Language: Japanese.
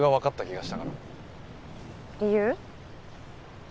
理由？